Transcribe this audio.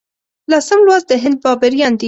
لسم لوست د هند بابریان دي.